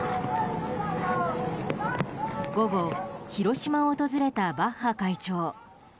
午後、広島を訪れたバッハ会長。